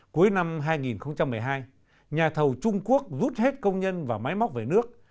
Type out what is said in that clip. cuối năm hai nghìn một mươi hai nhà thầu trung quốc rút hết công nhân và máy móc về nước